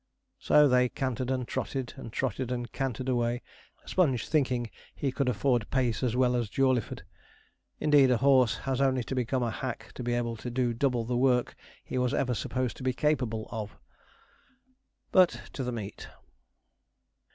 So they cantered and trotted, and trotted and cantered away, Sponge thinking he could afford pace as well as Jawleyford. Indeed, a horse has only to become a hack, to be able to do double the work he was ever supposed to be capable of. But to the meet.